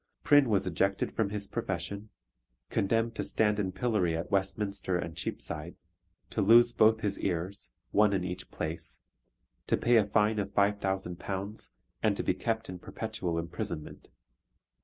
Prynne was ejected from his profession, condemned to stand in the pillory at Westminster and Cheapside, to lose both his ears, one in each place, to pay a fine of £5,000, and to be kept in perpetual imprisonment.